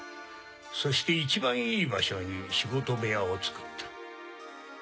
そして一番いい場所に仕事部屋を作った。